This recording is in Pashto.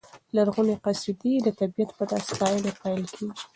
لرغونې قصیدې د طبیعت په ستاینه پیل کېږي.